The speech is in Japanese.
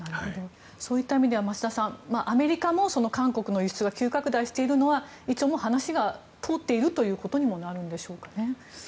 そういった意味では増田さんアメリカも韓国の輸出が急拡大しているのは一応話が通っているということにもなるんでしょう。